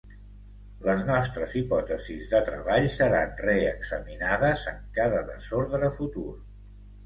Les nostres hipòtesis de treball seran reexaminades en cada desordre futur.